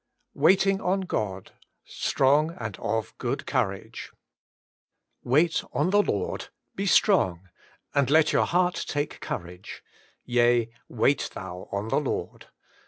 WAIXING ON GOD : Strong and ot Good Courage* 'Wait on the Lord: be strong, And let your heart take courage : Yea, wait thou on the Lord.'